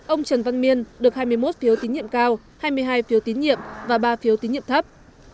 ông trần văn miên được hai mươi một phiếu tín nhiệm cao hai mươi hai phiếu tín nhiệm và ba phiếu tín nhiệm thấp